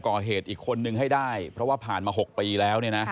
ก่อเหตุอีกคนนึงให้ได้เพราะว่าผ่านมา๖ปีแล้วเนี่ยนะ